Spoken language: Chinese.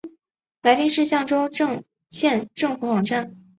来宾市象州县政府网站